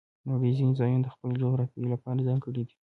د نړۍ ځینې ځایونه د خپلې جغرافیې لپاره ځانګړي دي.